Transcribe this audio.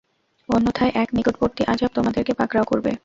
অন্যথায় এক নিকটবর্তী আযাব তোমাদেরকে পাকড়াও করবে।